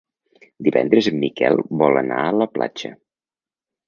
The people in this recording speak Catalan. Divendres en Miquel vol anar a la platja.